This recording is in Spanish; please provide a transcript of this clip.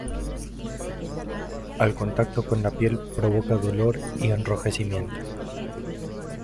Al contacto con la piel provoca dolor y enrojecimiento.